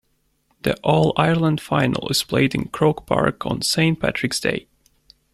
The All-Ireland Final is played in Croke Park on Saint Patrick's Day.